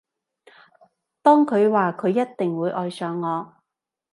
當佢話佢一定會愛上我